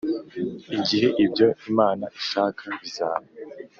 Igihe ibyo imana ishaka bizaba